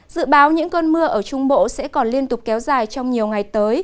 dự báo những cơn mưa ở trung bộ sẽ còn liên tục kéo dài trong nhiều ngày tới